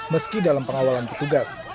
meski dalam pengawalan petugas